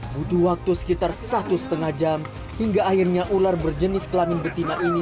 butuh waktu sekitar satu lima jam hingga akhirnya ular berjenis kelamin betina ini